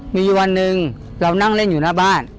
มีอยู่วันหนึ่งเรานั่งเล่นอยู่หน้าบ้าน